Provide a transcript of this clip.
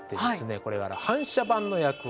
これが反射板の役割。